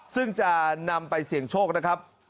ซึ่งจะนำไปเสี่ยงโชคนะครับ